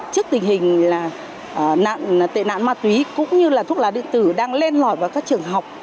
trước tình hình là tên nạn ma túy cũng như là thuốc lá định tử đang lên lỏi vào các trường học